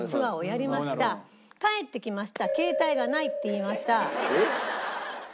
帰ってきました「携帯がない」って言いました。